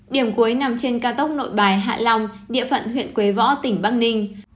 điểm cuối nằm trên cao tốc nội bài hạ long địa phận huyện quế võ tỉnh bắc ninh